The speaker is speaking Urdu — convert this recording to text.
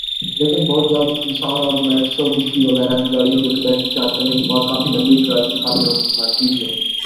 لیکن بہت جلد نسان اور میٹسوبشی وغیرہ کی گاڑیاں جو کہ بیٹری چارج کرنے کے بعد کافی لمبی ڈرائیو کے قابل ہوں گی مارکیٹ میں